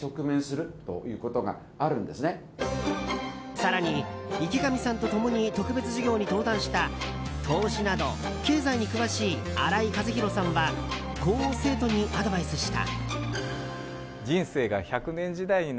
更に、池上さんと共に特別授業に登壇した投資など経済に詳しい新井和宏さんはこう生徒にアドバイスした。